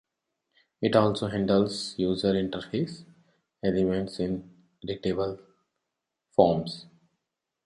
It also handles user interface elements in editable forms.